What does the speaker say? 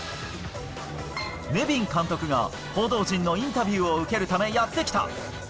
ネビン監督が報道陣のインタビューを受けるため、やって来た。